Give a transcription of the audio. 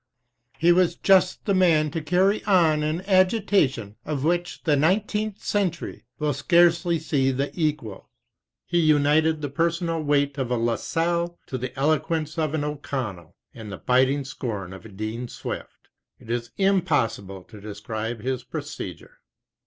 He was just the man to carry on an agitation of which the nineteenth century will scarcely see the equal. He united the personal weight of a La Salle to the eloquence of an O'Con nell and the biting scorn of a Dean Swift. It is impossible to describe his procedure.